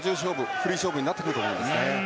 フリー勝負になってくると思います。